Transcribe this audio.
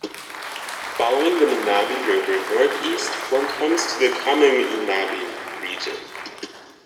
Following the Minabe River northeast one comes to the Kamiminabe region.